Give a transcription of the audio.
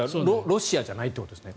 ロシアじゃないということですね。